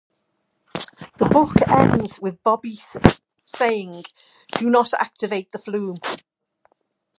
The book ends with Bobby saying, Do not activate the flume.